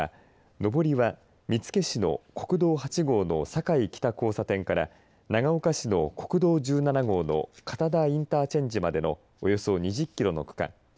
上りは見附市の国道８号の坂井北交差点から長岡市の国道１７号の片田インターチェンジまでのおよそ２０キロの区間。